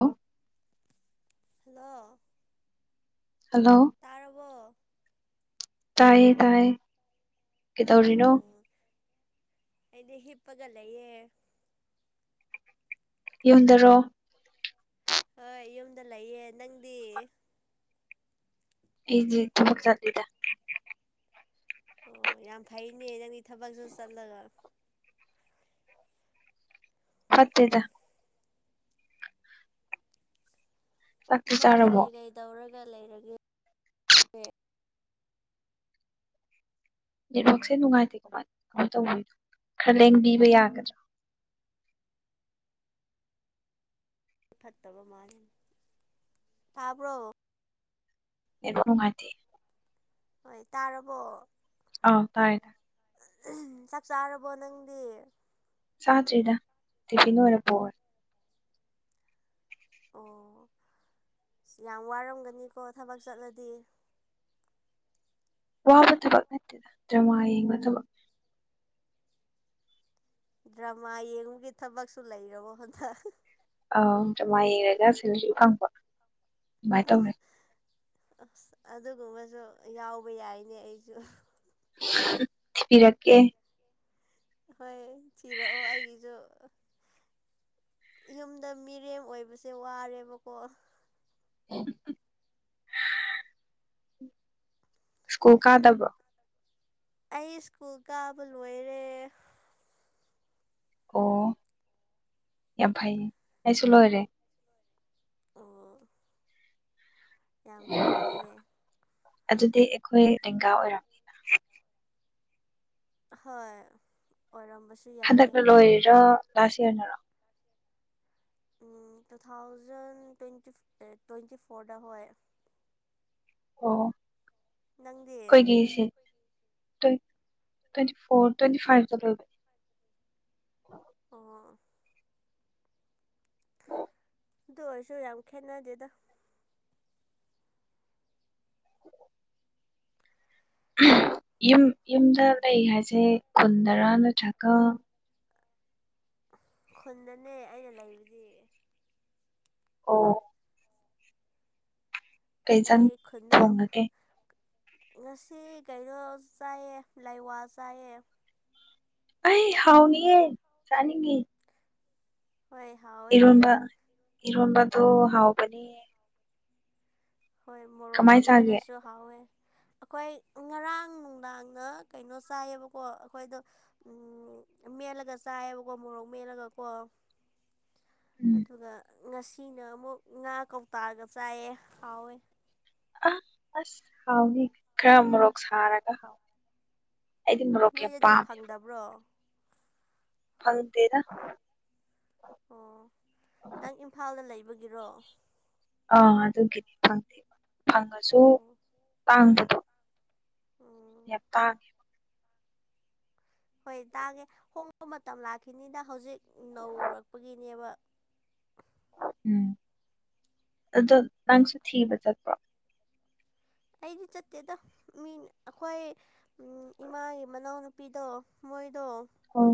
Hello hello hello ꯇꯥꯔꯕꯣ ꯇꯥꯏꯌꯦ-ꯇꯥꯏꯌꯦ ꯀꯩꯗꯧꯔꯤꯅꯣ? ꯑꯣ ꯑꯩꯗꯤ ꯍꯤꯞꯄꯒ ꯂꯩꯌꯦ꯫ ꯌꯨꯝꯗꯔꯣ? ꯍꯣꯏ ꯌꯨꯝꯗ ꯂꯩꯌꯦ꯫ ꯅꯪꯗꯤ? ꯑꯩꯗꯤ ꯊꯕꯛ ꯆꯠꯂꯤꯗ꯫ ꯑꯣ ꯌꯥꯝ ꯐꯩꯅꯦ ꯅꯪꯗꯤ ꯊꯕꯛꯁꯨ ꯆꯠꯂꯒ ꯐꯠꯇꯦꯗ꯫ ꯆꯥꯛꯇꯤ ꯅꯪꯗꯤ ꯆꯥꯔꯕꯣ ꯀꯩ-ꯀꯩ ꯇꯧꯔꯒ ꯂꯩꯔꯒꯦ? ꯅꯦꯠꯋꯥꯛꯁꯦ ꯅꯨꯡꯉꯥꯏꯇꯦ [unintelligible] ꯀꯃꯥꯏ ꯇꯧꯕꯅꯣ ꯈꯔ ꯂꯦꯡꯕꯤꯕ ꯌꯥꯒꯗ꯭ꯔꯥ? ꯐꯠꯇꯕ ꯃꯥꯂꯦꯗ ꯇꯥꯕ꯭ꯔꯣ? ꯅꯦꯠꯋꯥꯔꯛ ꯅꯨꯡꯉꯥꯏꯇꯦ꯫ ꯍꯣꯏ ꯇꯥꯔꯕꯣ? ꯑꯥꯎ ꯇꯥꯏ ꯇꯥꯏ꯫ [unintelligible] ꯆꯥꯛ ꯆꯥꯔꯕꯣ ꯅꯪꯗꯤ? ꯆꯥꯗ꯭ꯔꯤꯗ ꯇꯤꯐꯤꯟ ꯑꯣꯏꯅ ꯄꯨꯔꯦ꯫ ꯑꯣ ꯑꯁ ꯌꯥꯝ ꯋꯥꯔꯝꯒꯅꯤꯀꯣ ꯊꯕꯛ ꯆꯠꯂꯗꯤ꯫ ꯋꯥꯕ ꯊꯕꯛ ꯅꯠꯇꯦꯗ ꯗ꯭ꯔꯃꯥ ꯌꯦꯡꯕ ꯊꯕꯛ ꯗ꯭ꯔꯃꯥ ꯌꯦꯡꯕꯒꯤ ꯊꯕꯛꯁꯨ ꯂꯩꯔꯕꯣ ꯍꯟꯗꯛ꯫ ꯑꯧ ꯗ꯭ꯔꯃꯥ ꯌꯦꯡꯂꯒ ꯁꯦꯂꯔꯤ ꯐꯪꯕ꯫ ꯑꯗꯨꯃꯥꯏꯅ ꯇꯧꯔꯦ ꯑꯁ ꯑꯗꯨꯒꯨꯝꯕꯁꯨ ꯌꯥꯎꯕ ꯌꯥꯏꯅꯦ ꯑꯩꯁꯨ꯫ [unintelligible] ꯊꯤꯕꯤꯔꯛꯀꯦ꯫ ꯍꯣꯏ ꯊꯤꯔꯛꯑꯣ ꯑꯩꯒꯤꯁꯨ꯫ ꯏꯌꯨꯝꯗ ꯃꯤꯔꯦꯝ ꯑꯣꯏꯕꯁꯦ ꯋꯥꯔꯦꯕꯀꯣ꯫ [unintelligible] ꯁ꯭ꯀꯨꯝ ꯀꯥꯗꯕ꯭ꯔꯣ? ꯑꯩ ꯁ꯭ꯀꯨꯜ ꯀꯥꯕ ꯂꯣꯏꯔꯦ꯫ ꯑꯣ ꯌꯥꯝ ꯐꯩꯏ ꯑꯩꯁꯨ ꯂꯣꯏꯔꯦ꯫ ꯑꯣ ꯌꯥꯝ ꯐꯩꯌꯦ꯫ ꯑꯗꯨꯗꯤ ꯑꯩꯈꯣꯏ ꯂꯦꯡꯒꯥ ꯑꯣꯏꯔꯝ ꯍꯣꯏ ꯑꯣꯔꯝꯕꯁꯨ ꯍꯟꯗꯛꯅ ꯂꯣꯏꯔꯤꯔꯣ ꯂꯥꯁ ꯌꯔꯅꯔꯣ? ꯎꯝ ꯇꯨ ꯊꯥꯎꯖꯟ ꯇ꯭ꯋꯦꯟꯇꯤ ꯇ꯭ꯋꯦꯟꯇꯤ ꯐꯣꯔꯗ ꯍꯣꯏ꯫ ꯑꯣ ꯅꯪꯗꯤ ꯑꯩꯈꯣꯏꯒꯤ ꯁꯤꯠ ꯇꯨꯟ ꯇ꯭ꯋꯦꯟꯇꯤ ꯐꯣꯔ ꯇ꯭ꯋꯦꯟꯇꯤ ꯐꯥꯏꯞꯇ ꯂꯣꯏꯕ꯫ ꯑꯣ ꯑꯗꯨ ꯑꯣꯏꯔꯁꯨ ꯌꯥꯝ ꯈꯦꯠꯅꯗꯦꯗ꯫ [unintelligible] ꯌꯨꯝ ꯌꯨꯝꯗ ꯂꯩ ꯍꯥꯏꯁꯦ ꯈꯨꯟꯗꯔꯥ ꯅꯠꯇ꯭ꯔꯒ? ꯈꯨꯟꯗꯅꯦ ꯑꯩꯅ ꯂꯩꯕꯗꯤ꯫ ꯑꯣ ꯀꯩꯖꯥꯡ ꯑꯩ ꯈꯨꯟꯗ ꯊꯣꯡꯉꯒꯦ ꯉꯁꯤ ꯀꯩꯅꯣ ꯆꯥꯏꯌꯦ ꯂꯥꯏꯋꯥ ꯆꯥꯏꯌꯦ꯫ ꯑꯩ ꯍꯥꯎꯅꯤꯌꯦ ꯆꯥꯅꯤꯡꯉꯦ꯫ ꯍꯣꯏ ꯍꯥꯎ ꯏꯔꯣꯟꯕ ꯏꯔꯣꯟꯕꯗꯨ ꯍꯥꯎꯕꯅꯤ꯫ ꯍꯣꯏ ꯀꯃꯥꯏ ꯃꯣꯔꯣꯛꯀ ꯆꯥꯒꯦ ꯃꯦꯠꯂꯁꯨ ꯍꯥꯎꯋꯦ꯫ ꯑꯩꯈꯣꯏ ꯉꯔꯥꯡ ꯅꯨꯡꯗꯥꯡꯅ ꯀꯩꯅꯣ ꯆꯥꯏꯌꯦꯕꯀꯣ ꯑꯩꯈꯣꯏꯗꯣ ꯫ ꯎꯝ ꯃꯦꯂꯒ ꯆꯥꯏꯌꯦꯕꯀꯣ ꯃꯣꯔꯣꯛ ꯃꯦꯠꯂꯒ ꯀꯣ꯫ ꯎꯝ ꯑꯗꯨꯒ ꯉꯁꯤꯅ ꯑꯃꯨꯛ ꯉꯥ ꯀꯧꯇꯥꯥꯒ ꯆꯥꯏꯌꯦ ꯍꯥꯎꯋꯦ꯫ ꯑ ꯑꯁ ꯍꯥꯎꯅꯤ ꯈꯔ ꯃꯣꯔꯣꯛ ꯁꯥꯔꯒ ꯍꯥꯎ ꯑꯩꯗꯤ ꯃꯣꯔꯣꯛ ꯌꯥꯝ ꯅꯣꯏꯗꯗꯤ ꯄꯥꯝꯃꯦ ꯐꯪꯗꯕ꯭ꯔꯣ꯫ ꯐꯪꯇꯦꯗ꯫ ꯑꯣ ꯅꯪ ꯏꯝꯐꯥꯜꯗ ꯂꯩꯕꯒꯤꯔꯣ꯫ ꯑꯥ ꯑꯗꯨꯒꯤꯅꯦ ꯐꯪꯗꯦꯕ ꯐꯪꯉꯁꯨ ꯑꯣ ꯇꯥꯡꯕꯗꯣ꯫ ꯎꯝ ꯌꯥꯝ ꯇꯥꯡꯉꯦ꯫ ꯍꯣꯏ ꯇꯥꯡꯉꯦ ꯍꯣꯡꯕ ꯃꯇꯝ ꯂꯥꯛꯈꯤꯅꯤꯗ ꯍꯧꯖꯤꯛ ꯅꯧꯔꯛꯄꯒꯤꯅꯦꯕ꯫ ꯎꯝ ꯑꯗꯣ ꯅꯪꯁꯨ ꯊꯤꯕ ꯆꯠꯄ꯭ꯔꯣ ꯫ ꯑꯩꯗꯤ ꯆꯠꯇꯦꯗ ꯃꯤꯅ ꯑꯩꯈꯣꯏ꯫ ꯎꯝ ꯏꯃꯥꯒꯤ ꯃꯅꯥꯎꯅꯨꯄꯤꯗꯣ ꯃꯣꯏꯗꯣ ꯑꯣ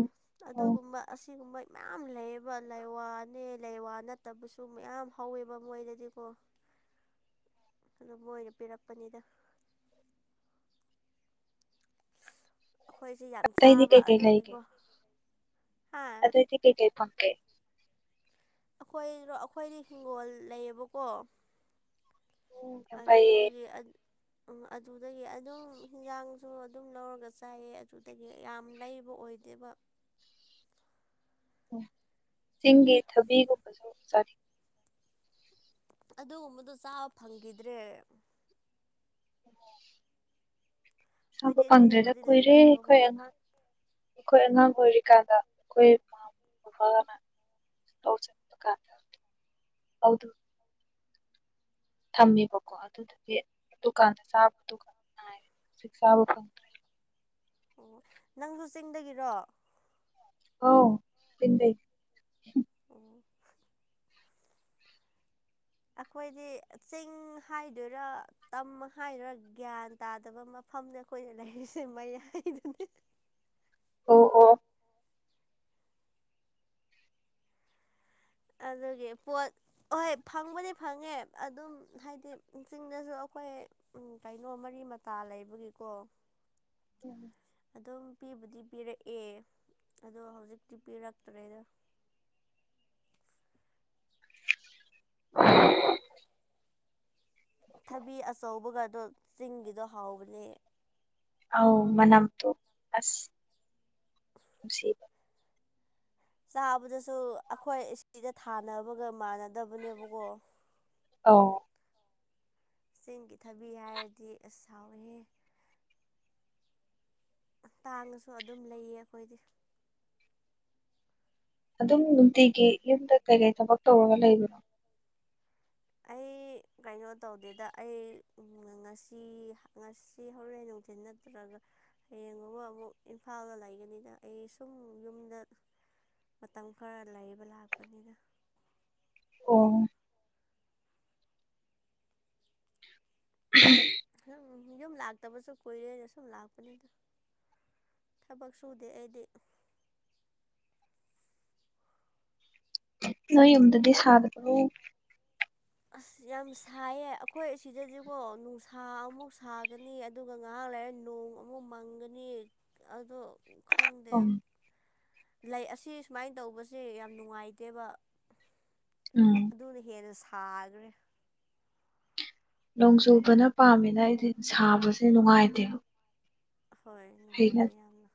ꯑꯣ ꯑꯗꯨꯒꯨꯝꯕ꯫ ꯑꯁꯤꯒꯨꯝꯕ ꯃꯌꯥꯝ ꯂꯩꯌꯦꯕ ꯂꯩꯋꯥꯅꯦ ꯂꯩꯋꯥ ꯅꯠꯇꯕꯁꯨ ꯃꯌꯥꯝ ꯍꯧꯋꯦꯕ ꯃꯣꯏꯗꯗꯤꯀꯣ ꯫ ꯑꯗꯨ ꯃꯣꯏꯅ ꯄꯤꯔꯛꯄꯅꯤꯗꯥ ꯫ ꯑꯈꯣꯏꯁꯦ ꯌꯥꯝ ꯑꯇꯩꯗꯤ ꯆꯥꯕ ꯀꯩꯀꯩ ꯑꯗꯨꯒꯤꯀꯣ꯫ ꯍꯥ ꯑꯇꯩꯗꯤ ꯀꯩ ꯀꯩ ꯐꯪꯒꯦ ꯫ ꯑꯈꯣꯏꯔꯣ ꯑꯈꯣꯏꯗꯤ ꯍꯤꯡꯒꯣꯜ ꯂꯩꯌꯦꯕꯀꯣ꯫ ꯌꯥꯝ ꯐꯩꯌꯦ ꯑꯗꯨꯗꯒꯤ ꯑꯗ ꯎꯝ ꯑꯗꯨꯗꯒꯤ ꯑꯗꯨꯝ ꯍꯤꯟꯖꯥꯡꯁꯨ ꯑꯗꯨꯝ ꯂꯧꯔꯒ ꯆꯥꯏꯌꯦ ꯑꯗꯨꯗꯒꯤ ꯌꯥꯝ ꯂꯩꯕ ꯑꯣꯏꯗꯦꯕ꯫ ꯎꯝ ꯆꯤꯡꯒꯤ ꯊꯕꯤꯒꯨꯝꯕꯁꯨ ꯆꯥꯅꯤ ꯑꯗꯨꯒꯨꯝꯕꯗꯣ ꯆꯥꯕ ꯐꯪꯒꯤꯗ꯭ꯔꯦ꯫ ꯆꯥꯕ ꯍꯣꯏꯗꯤ ꯐꯪꯗ꯭ꯔꯦꯗ ꯑꯗꯨꯒꯨꯝꯕꯗꯤ ꯀꯨꯏꯔꯦ ꯂꯩꯇꯦꯕꯀꯣ ꯑꯩꯈꯣꯏ ꯑꯉꯥꯡ꯫ ꯑꯩꯈꯣꯏ ꯑꯉꯥꯡ ꯑꯣꯏꯔꯤꯀꯥꯟꯗ ꯈꯣꯏ ꯃꯥꯝꯃ [unintelligible] [unintelligible] ꯊꯝꯃꯦꯕꯀꯣ ꯑꯗꯨꯗꯨꯗꯤ ꯗꯨꯀꯥꯟꯗ ꯆꯥꯕ ꯗꯨꯈꯛ ꯉꯥꯏꯔꯦ ꯍꯧꯖꯤꯛ ꯆꯥꯕ ꯐꯪꯗ ꯑꯣ ꯅꯪꯁꯨ ꯆꯤꯡꯗꯒꯤꯔꯣ꯫ ꯑꯧ ꯄꯤꯟꯗꯩ꯫ ꯑꯣ ꯑꯩꯈꯣꯏꯗꯤ ꯆꯤꯡ ꯍꯥꯏꯗꯣꯏꯔꯥ꯫ ꯇꯝ ꯍꯥꯏꯔ ꯒ꯭ꯌꯥꯟ ꯇꯥꯗꯕ ꯃꯐꯝꯅꯦ ꯑꯩꯈꯣꯏꯅ ꯂꯩꯔꯤꯁꯦ ꯃꯌꯥꯏꯗꯅꯦ꯫ ꯑꯣ ꯑꯣ ꯑꯗꯨꯒꯤ ꯄꯣꯠ ꯍꯣꯏ ꯐꯪꯕꯨꯗꯤ ꯐꯪꯉꯦ ꯑꯗꯨꯝ ꯍꯥꯏꯗꯤ ꯆꯤꯡꯗꯁꯨ ꯑꯩꯈꯣꯏ ꯎꯝ ꯀꯩꯅꯣ ꯃꯔꯤ ꯃꯇꯥ ꯂꯩꯕꯒꯤꯀꯣ ꯎꯝ ꯑꯗꯨꯝ ꯄꯤꯕꯨꯗꯤ ꯄꯤꯔꯛꯑꯦ ꯑꯗꯣ ꯍꯧꯖꯤꯛꯇꯤ ꯄꯤꯔꯛꯇ꯭ꯔꯦꯗ꯫ [inaudible] ꯊꯕꯤ ꯑꯆꯧꯕꯒꯗꯣ ꯆꯤꯡꯒꯤꯗꯣ ꯍꯥꯎꯕꯅꯦ꯫ ꯑꯧ ꯃꯅꯝ ꯇꯨ ꯑꯁ ꯅꯨꯡꯁꯤꯕꯅꯤ ꯆꯥꯕꯗꯁꯨ ꯑꯩꯈꯣꯏ ꯑꯁꯤꯗ ꯊꯥꯅꯕꯒ ꯃꯥꯟꯅꯗꯕꯅꯦꯕꯒꯣ ꯑꯥꯎ ꯆꯦꯡꯒꯤ ꯊꯕꯤ ꯍꯥꯏꯔꯗꯤ ꯑꯁ ꯍꯥꯎꯋꯦꯍꯦ ꯇꯥꯡꯉꯁꯨ ꯑꯗꯨꯝ ꯂꯩꯌꯦ ꯑꯈꯣꯏꯗꯤ ꯑꯗꯨꯝ ꯅꯨꯡꯇꯤꯒꯤ ꯌꯨꯝꯗ ꯀꯩꯀꯩ ꯊꯕꯛ ꯇꯧꯔꯒ ꯂꯩꯕꯅꯣ ꯑꯩ ꯀꯩꯅꯣ ꯇꯧꯗꯦꯗ ꯑꯩ ꯉꯁꯤ ꯉꯁꯤ ꯍꯧꯔꯦꯟ ꯅꯨꯡꯊꯤꯟ ꯅꯠꯇ꯭ꯔꯒ ꯍꯌꯦꯡꯒꯨꯝꯕ ꯑꯃꯨꯛ ꯏꯝꯐꯥꯜꯗ ꯂꯩꯒꯅꯤꯅ ꯑꯩ ꯁꯨꯝ ꯌꯨꯝꯗ ꯃꯇꯝ ꯈꯔ ꯂꯩꯕ ꯂꯥꯛꯄꯅꯤꯅ ꯑꯣ [unintelligible] ꯑꯗꯨꯝ ꯌꯨꯝ ꯂꯥꯛꯇꯕꯁꯨ ꯀꯨꯏꯔꯦꯅ ꯁꯨꯝ ꯂꯥꯛꯄꯅꯤꯗ ꯊꯕꯛ ꯁꯨꯗꯦ ꯑꯩꯗꯤ ꯅꯣꯏ ꯌꯨꯝꯗꯗꯤ ꯁꯥꯗꯕ꯭ꯔꯣ ꯑꯁ ꯌꯥꯝ ꯁꯥꯏꯌꯦ ꯑꯩꯈꯣꯏ ꯑꯁꯤꯗꯗꯤꯀꯣ ꯅꯨꯡꯁꯥ ꯑꯃꯨꯛ ꯁꯥꯒꯅꯤ ꯑꯗꯨꯒ ꯉꯥꯏꯍꯥꯛ ꯂꯩꯔꯥ ꯅꯣꯡ ꯑꯃꯨꯛ ꯃꯪꯒꯅꯤ ꯑꯗꯣ ꯈꯪꯗꯦ ꯎꯝ ꯂꯩ ꯑꯁꯤ ꯑꯁꯨꯃꯥꯏꯅ ꯇꯧꯕꯁꯦ ꯌꯥꯝ ꯅꯨꯡꯉꯥꯏꯇꯦꯕ ꯎꯝ ꯑꯗꯨꯅ ꯍꯦꯟꯅ ꯁꯥꯈ꯭ꯔꯦ ꯅꯣꯡ ꯆꯨꯕꯅ ꯄꯥꯝꯃꯤꯅ ꯑꯩꯗꯤ ꯁꯥꯕꯁꯦ ꯅꯨꯡꯉꯥꯏꯇꯦꯕ ꯍꯣꯏ ꯍꯩꯅ ꯅꯨꯡꯉꯥꯏꯇꯦ ꯌꯥꯝꯅ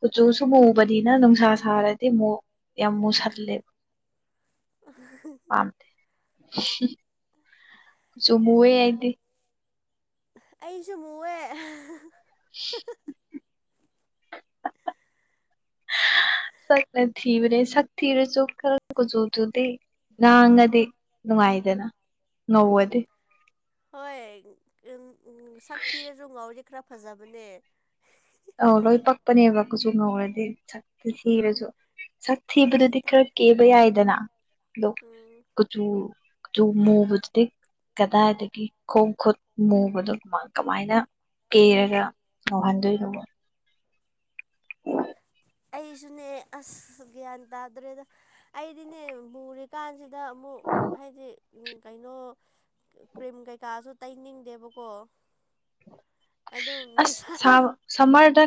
ꯀꯨꯆꯨꯁꯨ ꯃꯨꯕꯅꯤꯅ ꯅꯨꯡꯁꯥ ꯁꯥꯔꯗꯤ ꯑꯃꯨꯛ ꯌꯥꯝ ꯃꯨꯁꯜꯂꯦꯕ ꯄꯥꯝ ꯀꯨꯆꯨ ꯃꯨꯏꯌꯦ ꯑꯩꯗꯤ ꯑꯩꯁꯨ ꯃꯨꯏꯌꯦ [inaudible] [unintelligible] ꯁꯛꯅ ꯊꯤꯕꯅꯦ ꯁꯛ ꯊꯤꯔꯁꯨ ꯈꯔ ꯀꯨꯆꯨꯗꯨꯗꯤ ꯉꯥꯡꯉꯗꯤ ꯅꯨꯡꯉꯥꯏꯗꯅ ꯉꯧꯑꯗꯤ ꯍꯣꯏ [unintelligible] ꯁꯛ ꯊꯤꯔꯁꯨ ꯉꯥꯎꯔꯗꯤ ꯈꯔ ꯐꯖꯕꯅꯦ ꯑꯧ ꯂꯣꯏ ꯄꯛꯄꯅꯦꯕ ꯀꯨꯁꯨ ꯉꯧꯔꯗꯤ ꯁꯛꯇꯣ ꯍꯣꯏ ꯊꯤꯔꯁꯨ ꯁꯛ ꯑꯩ ꯊꯤꯕꯗꯨꯗꯤ ꯈꯔ ꯀꯦꯕ ꯌꯥꯏꯗꯅꯥ ꯑꯗꯣ ꯎꯝ ꯀꯆꯨ ꯀꯆꯨ ꯃꯨꯕꯗꯨꯗꯤ ꯀꯗꯥꯏꯗꯒꯤ ꯈꯣꯡ ꯈꯨꯠ ꯃꯨꯕꯗꯣ ꯀꯃꯥꯏ ꯀꯃꯥꯏꯅ ꯀꯦꯔꯒ ꯉꯧꯍꯟꯗꯣꯏꯅꯣꯕ ꯑꯩꯁꯨꯅꯦ ꯑꯁ ꯒ꯭ꯌꯥꯟ ꯇꯥꯗ꯭ꯔꯦꯗ ꯑꯩꯗꯤꯅꯦ ꯃꯨꯔꯦ ꯀꯥꯟꯖꯤꯗ ꯑꯃꯨꯛ ꯍꯥꯏꯗꯤ ꯎꯝ ꯀꯩꯅꯣ ꯀ꯭ꯔꯤꯝ ꯀꯩꯀꯥꯁꯨ ꯇꯩꯅꯤꯡꯗꯦꯕꯀꯣ ꯑꯗꯨꯝ ꯑꯁ ꯅꯨꯡꯁꯥ ꯁꯥꯕ ꯁꯝꯃꯔꯗ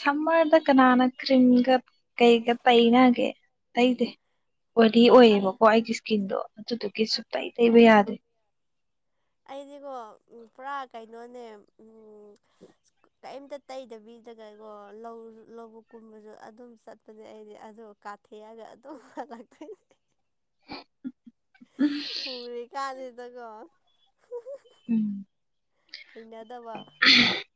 ꯁꯝꯃꯔꯗ ꯀꯅꯥꯅ ꯀ꯭ꯔꯤꯝꯒ ꯀꯩꯒ ꯇꯩꯅꯥꯒꯦ ꯇꯩꯗꯦ ꯑꯣꯏꯂꯤ ꯑꯁ ꯑꯣꯏꯌꯦꯕꯀꯣ ꯑꯩꯒꯤ ꯏꯁꯀꯤꯟꯗꯣ ꯑꯗꯨꯗꯨꯒꯤ ꯁꯨꯨꯛꯇꯩ ꯇꯩꯕ ꯌꯥꯗ꯭ꯦ ꯑꯩꯗꯤꯀꯣ ꯄꯨꯔꯥ ꯀꯩꯅꯣꯅꯦ ꯎꯝ [unintelligible] ꯀꯦꯝꯇꯥ ꯇꯩꯗꯕꯤꯗꯒꯀꯣ ꯂꯧ ꯂꯧꯕꯨꯛ ꯀꯨꯝꯕꯁꯨ ꯑꯗꯨꯝ ꯆꯠꯄꯅꯦ ꯑꯩꯗꯤ ꯑꯗꯨ ꯀꯥ ꯊꯦꯛꯑꯒ ꯑꯗꯨꯝ ꯍꯜꯂꯛꯇꯣꯏꯅꯦ ꯃꯨꯔꯤ ꯀꯥꯟꯁꯤꯗꯀꯣ ꯎꯝ ꯍꯩꯅꯗꯕ [unintelligible]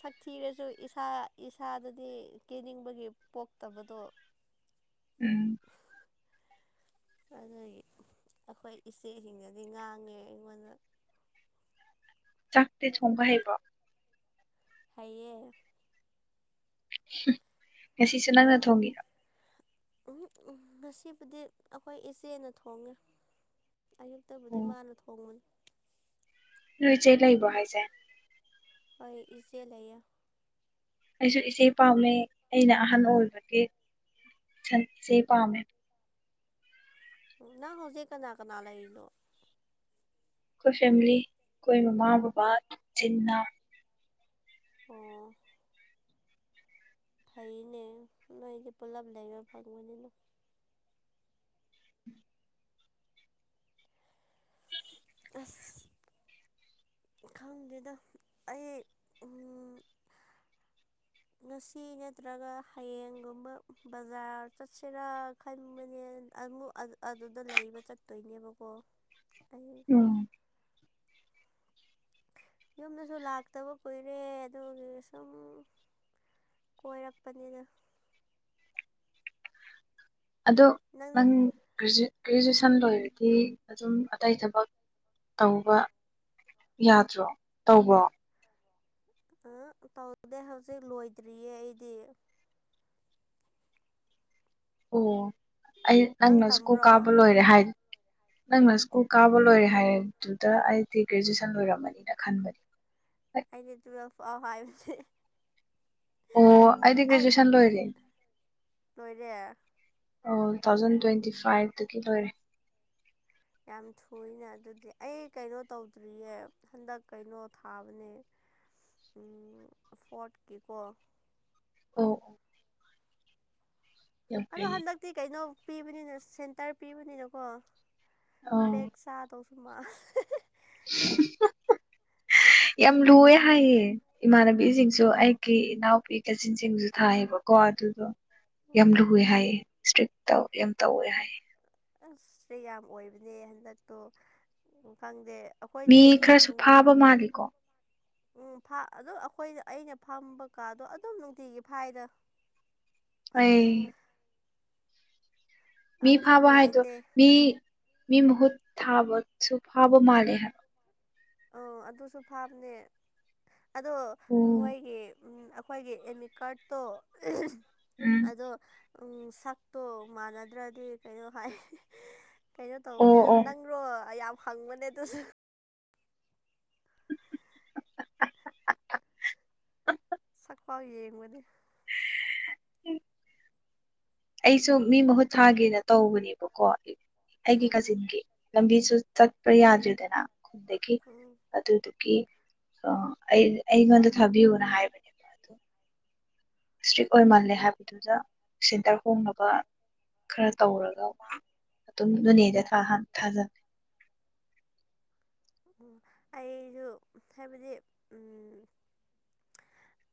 ꯁꯛꯊꯤꯔꯁꯨ ꯏꯁꯥ ꯏꯁꯥꯗꯗꯤ ꯀꯦꯅꯤꯡꯕꯒꯤ ꯄꯣꯛꯇꯕꯗꯣ ꯎꯝ ꯑꯗꯨꯒꯤ ꯑꯩꯈꯣꯏ ꯏꯆꯦꯁꯤꯡꯗꯗꯤ ꯉꯥꯡꯉꯦ ꯑꯩꯉꯣꯟꯗ ꯆꯥꯛꯇꯤ ꯊꯣꯡꯕ ꯍꯩꯕ꯭ꯔꯣ ꯍꯩꯌꯦ ꯉꯁꯤꯁꯨ ꯅꯪꯅ ꯊꯣꯡꯉꯤꯔꯣ ꯎꯝ ꯎ ꯉꯁꯤꯕꯨꯗꯤ ꯑꯩꯈꯣꯏ ꯏꯆꯦꯅ ꯊꯣꯡꯉꯦ ꯑꯌꯨꯛꯇꯕꯨꯗꯤ ꯑꯣ ꯃꯥꯅ ꯊꯣꯡꯕꯅꯤ ꯅꯣꯏ ꯆꯦ ꯂꯩꯕ꯭ꯔꯣ ꯍꯥꯏꯖꯦ ꯍꯣꯏ ꯏꯆꯦ ꯂꯩꯌꯦ ꯑꯩꯁꯨ ꯏꯆꯦ ꯄꯥꯝꯃꯦ ꯑꯩꯅ ꯑꯍꯟ ꯑꯣꯏꯕꯒꯤ [unintelligible] ꯏꯆꯦ ꯄꯥꯝꯃꯦ ꯎꯝ ꯅꯪ ꯍꯧꯖꯤꯛ ꯀꯅꯥ ꯀꯅꯥ ꯂꯩꯔꯤꯅꯣ ꯑꯩꯈꯣꯏ ꯐꯦꯃꯤꯂꯤ ꯑꯩꯈꯣꯏ ꯃꯃꯥ ꯕꯕꯥ ꯏꯆꯤꯟ ꯏꯅꯥꯎ ꯑꯣ ꯐꯩꯅꯦ ꯅꯣꯏꯗꯤ ꯄꯨꯂꯞ ꯂꯩꯕ ꯐꯪꯕꯅꯤꯅ ꯑꯁ ꯈꯪꯗꯦꯗ ꯑꯩ ꯎꯝ [inaudible] ꯉꯁꯤ ꯅꯠꯇ꯭ꯔꯒ ꯍꯌꯦꯡꯒꯨꯝꯕ ꯕꯖꯥꯔ ꯆꯠꯁꯤꯔꯥ ꯈꯟꯕꯅꯦ ꯑꯃꯨꯛ ꯑꯗꯨꯗ ꯂꯩꯕ ꯆꯠꯇꯣꯏꯅꯦꯕꯀꯣ ꯑꯩ ꯑꯣ ꯌꯨꯝꯗꯁꯨ ꯂꯥꯛꯇꯕ ꯀꯨꯏꯔꯦ ꯑꯗꯨꯒꯤ ꯁꯨꯝ ꯀꯣꯏꯔꯛꯄꯅꯤꯗ ꯑꯗꯣ ꯅꯪꯗꯤ ꯅꯪ ꯒ꯭ꯔꯦꯖꯨ ꯒ꯭ꯔꯦꯖꯨꯦꯁꯟ ꯂꯣꯏꯔꯗꯤ ꯑꯗꯨꯝ ꯑꯇꯩ ꯊꯕꯛ ꯇꯧꯕ ꯌꯥꯗ꯭ꯔꯣ ꯇꯧꯕ꯭ꯔꯣ ꯑ ꯇꯧꯗꯦ ꯍꯧꯖꯤꯛ ꯂꯣꯏꯗ꯭ꯔꯤꯌꯦ ꯑꯩꯗꯤ ꯑꯣ ꯑꯩ ꯅꯪ ꯅꯪꯅ ꯁ꯭ꯀꯨ ꯇꯝꯕ꯭ꯔꯣ ꯀꯥꯕ ꯂꯣꯏꯔꯦ ꯍꯥꯏ ꯅꯪꯅ ꯁ꯭ꯀꯨꯜ ꯀꯥꯕ ꯂꯣꯏꯔꯦ ꯍꯥꯏꯗꯨꯗ ꯑꯩꯗꯤ ꯒ꯭ꯔꯦꯖꯨꯋꯦꯁꯟ ꯂꯣꯏꯔꯝꯃꯅꯤꯅ ꯈꯟꯕꯅꯤ ꯑꯩꯗꯤ ꯇꯨꯋꯦꯜꯐ ꯐꯥꯎ ꯍꯥꯏꯕꯅꯤ ꯑꯣ ꯑꯩꯗꯤ ꯒ꯭ꯔꯦꯖꯨꯋꯦꯁꯟ ꯂꯣꯏꯔꯦ ꯂꯣꯏꯔꯦ ꯑꯣ ꯇꯨ ꯊꯥꯎꯖꯟ ꯇ꯭ꯋꯦꯟꯇꯤ ꯐꯥꯏꯚꯇꯒꯤ ꯂꯣꯏꯔꯦ ꯌꯥꯝ ꯊꯨꯏꯅ ꯑꯗꯨꯗꯤ ꯑꯩ ꯀꯩꯅꯣ ꯇꯧꯗ꯭ꯔꯤꯌꯦ ꯍꯟꯗꯛ ꯀꯩꯅꯣ ꯊꯥꯕꯅꯦ ꯎꯝ ꯐꯣꯔꯠꯀꯤꯀꯣ ꯑꯣ ꯌꯥꯝ ꯑꯗꯣ ꯐꯩꯌꯦ ꯍꯟꯗꯛꯇꯤ ꯀꯩꯅꯣ ꯄꯤꯕꯅꯤꯅ ꯁꯦꯟꯇꯔ ꯄꯤꯕꯅꯤꯅꯀꯣ ꯑꯣ ꯕꯦꯛ ꯆꯥꯗꯧꯁꯨ ꯃꯥꯜ ꯌꯥꯝ ꯂꯨꯋꯦ ꯍꯥꯏꯌꯦ ꯏꯃꯥꯟꯅꯕꯤꯁꯤꯡꯁꯨ ꯑꯩꯒꯤ ꯏꯅꯥꯎꯄꯤ ꯀꯥꯆꯤꯟꯁꯤꯡꯁꯨ ꯊꯥꯏꯌꯦꯕꯀꯣ ꯑꯗꯨꯗꯣ ꯌꯥꯝ ꯎꯝ ꯂꯨꯑꯦ ꯍꯥꯏꯌꯦ ꯏꯁꯇ꯭ꯔꯤꯛ ꯇꯧ ꯌꯥꯝ ꯇꯧꯋꯦ ꯍꯥꯏꯌꯦ ꯑꯁ ꯏꯁꯇ꯭ꯔꯤꯛ ꯌꯥꯝ ꯑꯣꯏꯕꯅꯦ ꯍꯟꯗꯛꯇꯣ ꯈꯪꯗꯦ ꯃꯤ ꯑꯩꯈꯣꯏꯗꯤ ꯈꯔꯁꯨ ꯎꯝ ꯐꯥꯕ ꯃꯥꯜꯂꯤꯀꯣ ꯎꯝ ꯐꯥ ꯑꯗꯨꯝ ꯑꯩꯈꯣꯏꯗ ꯑꯩꯅ ꯐꯝꯕ ꯀꯥꯗꯣ ꯑꯗꯨꯝ ꯅꯨꯡꯇꯤꯒꯤ ꯐꯥꯏꯗ ꯑꯩ ꯃꯤ ꯑꯃꯨꯛꯁꯨ ꯐꯥꯕ ꯍꯥꯏꯗꯣ ꯅꯨꯡꯉꯥꯏꯇꯦ ꯃꯤ ꯃꯤ ꯃꯍꯨꯠ ꯊꯥꯕꯁꯨ ꯐꯥꯕ ꯃꯥꯂꯦ ꯍꯥꯏꯕ ꯑꯣ ꯑꯗꯨꯁꯨ ꯐꯥꯕꯅꯦ ꯑꯗꯣ ꯑꯣ ꯃꯣꯏꯒꯤ ꯎꯝ ꯑꯩꯈꯣꯏꯒꯤ ꯑꯦꯗꯃꯤꯠ ꯀꯥꯔꯠꯇꯣ [unintelligible] ꯎꯝ [unintelligible] ꯑꯗꯣ ꯁꯛꯇꯣ ꯃꯥꯟꯅꯗ꯭ꯔꯗꯤ ꯀꯩꯅꯣ ꯍꯥꯏ [unintelligible] ꯀꯩꯅꯣ ꯇꯧꯕꯅꯦ ꯑꯣ ꯑꯁ ꯑꯣ ꯅꯪꯔꯣ ꯌꯥꯝ ꯍꯪꯕꯅꯦ ꯑꯗꯨꯁꯨ [unintelligible] [unintelligible] [unintelligible] ꯁꯛꯄꯥꯎ ꯌꯦꯡꯕꯅꯤ ꯑꯩꯁꯨ ꯃꯤ ꯃꯍꯨꯠ ꯊꯥꯒꯦꯅ ꯇꯧꯕꯅꯦꯕꯀꯣ ꯑꯩꯒꯤ ꯎꯝ ꯀꯥꯖꯤꯟꯒꯤ ꯂꯝꯕꯤꯁꯨ ꯆꯠꯄ ꯌꯥꯗ꯭ꯔꯤꯗꯅ ꯈꯨꯟꯗꯒꯤ ꯎꯝ ꯑꯗꯨꯗꯨꯒꯤ ꯑ ꯑꯩ ꯑꯩꯉꯣꯟꯗ ꯊꯥꯕꯤꯌꯨꯅ ꯍꯥꯏꯕꯅꯦ ꯏꯁꯇ꯭ꯔꯤꯛ ꯑꯣꯏ ꯃꯜꯂꯦ ꯍꯥꯏꯕꯗꯨꯗ ꯁꯦꯟꯇꯔ ꯍꯣꯡꯅꯕ ꯈꯔ ꯇꯧꯔꯒ ꯃꯥ ꯑꯗꯨꯝ ꯅꯣꯅꯦꯗ [unintelligible] ꯊꯥꯖꯟꯂꯦ ꯎꯝ ꯑꯩꯖꯨ ꯍꯥꯏꯕꯗꯤ ꯎꯝ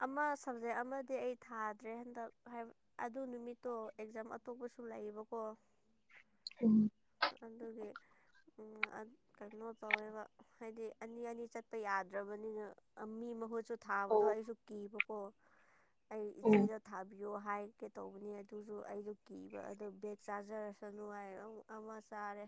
ꯑꯃ ꯁꯕꯖꯦꯛ ꯑꯃꯗꯤ ꯑꯩ ꯊꯥꯗ꯭ꯔꯦ ꯍꯟꯗꯛ ꯍꯥꯏꯕ ꯑꯗꯨ ꯅꯨꯃꯤꯠꯇꯣ ꯑꯦꯛꯖꯥꯝ ꯑꯇꯣꯞꯄꯁꯨ ꯂꯩꯌꯦꯕꯀꯣ ꯎꯝ ꯑꯗꯨꯒꯤ ꯎꯝ ꯑ ꯀꯩꯅꯣ ꯇꯧꯋꯦꯕ ꯍꯥꯏꯗꯤ ꯑꯅꯤ ꯑꯅꯤ ꯆꯠꯄ ꯌꯥꯗ꯭ꯔꯕꯅꯤꯅ ꯃꯤ ꯃꯍꯨꯠ ꯆꯠ ꯑꯣ ꯊꯥꯕꯗꯣ ꯑꯩꯁꯨ ꯀꯤꯕꯀꯣ ꯑꯩ ꯑꯣ ꯏꯆꯦꯗ ꯊꯥꯕꯤꯌꯣ ꯍꯥꯏꯒꯦ ꯇꯧꯕꯅꯦ ꯑꯗꯨꯖꯨ ꯑꯩꯗꯣ ꯀꯤꯕ ꯑꯗꯨ ꯕꯦꯛ ꯆꯥꯖꯔꯁꯅꯨ [unintelligible] ꯑꯃ ꯆꯥꯔꯦ